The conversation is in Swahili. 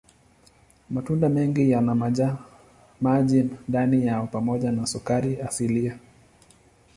Matunda mengi yana maji ndani yao pamoja na sukari asilia.